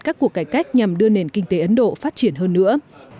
các cuộc cải cách nhằm đưa nền kinh tế ấn độ phát triển hơn nữa